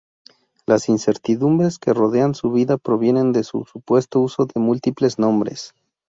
Las incertidumbres que rodean su vida provienen de su supuesto uso de múltiples nombres.